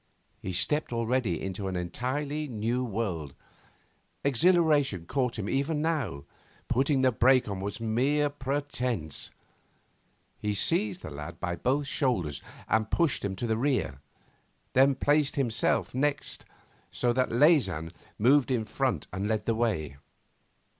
He stepped already into an entirely new world. Exhilaration caught him even now. Putting the brake on was mere pretence. He seized the lad by both shoulders and pushed him to the rear, then placed himself next, so that Leysin moved in front and led the way.